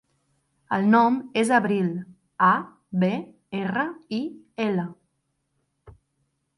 El nom és Abril: a, be, erra, i, ela.